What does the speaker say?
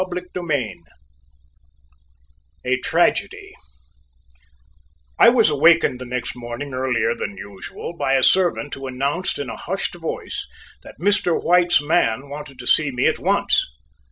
CHAPTER III A TRAGEDY I was awakened the next morning earlier than usual by a servant who announced in a hushed voice that Mr. White's man wanted to see me at once.